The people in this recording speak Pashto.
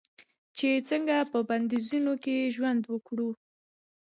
چې څنګه په بندیزونو کې ژوند وکړو.